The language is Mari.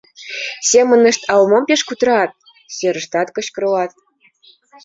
Семынышт ала-мом пеш кутырат, серыштат кычкырлат.